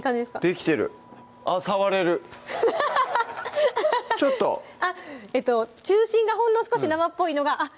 できてるあっ触れるちょっと中心がほんの少し生っぽいのがあっ